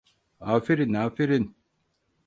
Aferin, aferin.